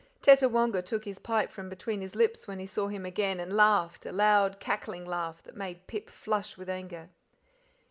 Tettawonga took his pipe from between his lips when he saw him again and laughed, a loud cackling laugh, that made Pip flush with anger.